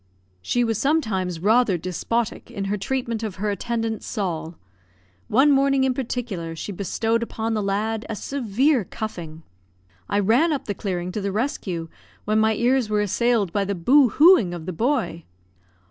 She was sometimes rather despotic in her treatment of her attendant, Sol. One morning, in particular, she bestowed upon the lad a severe cuffing. I ran up the clearing to the rescue, when my ears were assailed by the "boo hooing" of the boy.